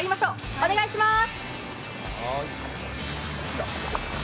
お願いしまーす。